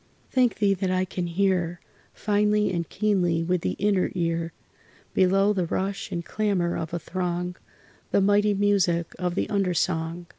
Thank Thee that I can hear, Finely and keenly with the inner ear, Below the rush and clamor of a throng The mighty music of the under song.